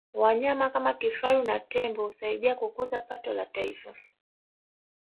wanyama kama kifaru na tembo husaidia kukuza pato la taifa